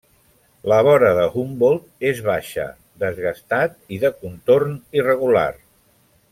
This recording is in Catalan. La vora de Humboldt és baixa, desgastat, i de contorn irregular.